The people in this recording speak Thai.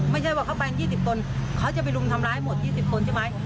ไม่ใช่ว่าเขาไปกัน๒๐คนเขาจะไปรุมทำร้ายหมด๒๐คนใช่ไหม